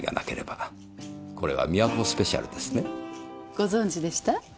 ご存じでした？